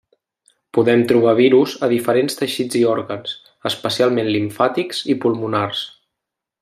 Podem trobar virus a diferents teixits i òrgans, especialment limfàtics i pulmonars.